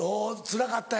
つらかった？